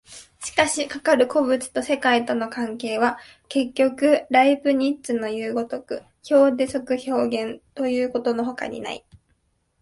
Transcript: しかしかかる個物と世界との関係は、結局ライプニッツのいう如く表出即表現ということのほかにない。